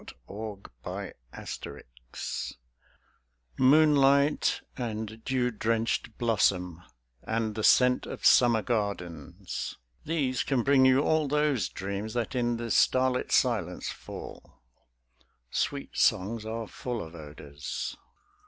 THE DREAM I Moonlight and dew drenched blossom, and the scent Of summer gardens; these can bring you all Those dreams that in the starlit silence fall: Sweet songs are full of odours.